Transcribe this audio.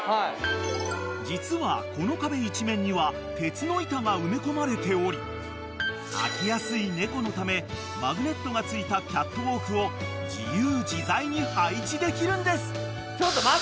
［実はこの壁一面には鉄の板が埋め込まれており飽きやすい猫のためマグネットがついたキャットウォークを自由自在に配置できるんです］